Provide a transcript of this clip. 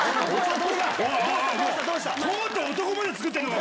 とうとう男まで作ってるのか？